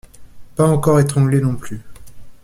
Pas encore étranglé non plus.